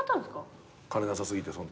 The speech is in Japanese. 金なさ過ぎてその当時。